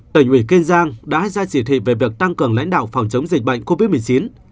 tỉnh ủy kiên giang đã ra chỉ thị về việc tăng cường lãnh đạo phòng chống dịch bệnh covid một mươi chín